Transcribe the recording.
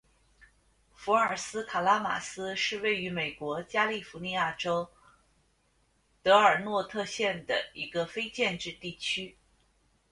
福尔斯卡拉马斯是位于美国加利福尼亚州德尔诺特县的一个非建制地区。